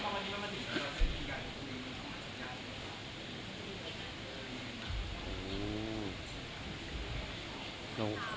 มันนิดนึง